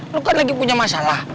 lo kan lagi punya masalah